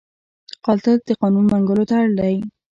قاتل د قانون منګولو ته اړ دی